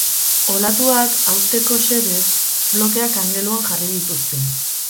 Olatuak hausteko xedez, blokeak angeluan jarri dituzte.